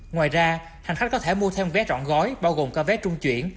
ngoài ra hành khách có thể mua thêm vé trọn gói bao gồm cả vé trung chuyển